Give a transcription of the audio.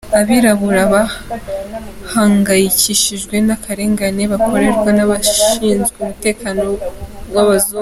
Abirabura bahangayikishijwe n'akarengane bakorerwa n'abashinzwe umutekano b'abazungu.